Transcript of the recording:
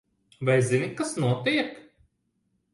Vai zini, kas notiek?